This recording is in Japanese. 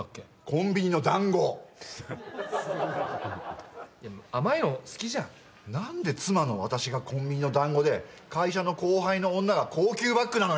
コンビニのだんご甘いの好きじゃん何で妻の私がコンビニのだんごで会社の後輩の女が高級バッグなのよ